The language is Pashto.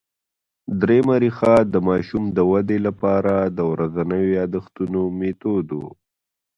درېیمه ریښه د ماشوم د ودې له پاره د ورځينو یادښتونو مېتود وو